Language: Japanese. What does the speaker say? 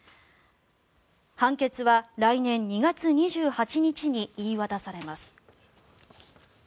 判決は来年２月２８日に言い渡されます。